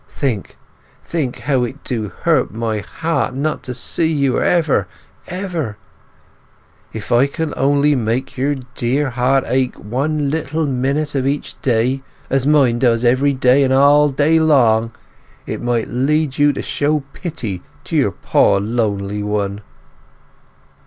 Think—think how it do hurt my heart not to see you ever—ever! Ah, if I could only make your dear heart ache one little minute of each day as mine does every day and all day long, it might lead you to show pity to your poor lonely one.